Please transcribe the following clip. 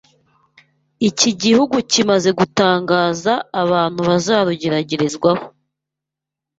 Iki gihugu kimaze gutangaza abantu bazarugeragerezwaho